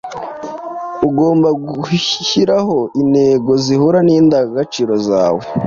Ugomba guhyiraho intego zihuza nindangagaciro zawe